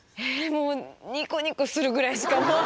もうニコニコするぐらいしかもう。